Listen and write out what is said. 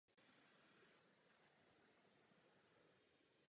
Efektivita intenzivního zemědělství ale může šetřit půdu.